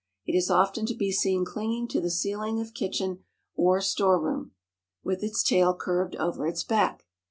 It is often to be seen clinging to the ceiling of kitchen or store room, with its tail curved over its back.